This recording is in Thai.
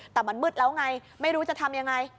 แต่มันมืดแล้วไงไม่รู้จะทำยังไง